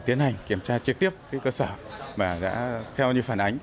tiến hành kiểm tra trực tiếp cơ sở mà đã theo như phản ánh